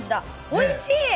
おいしい！